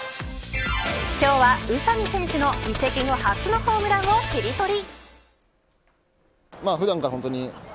今日は宇佐見選手の移籍後初のホームランをキリトリ。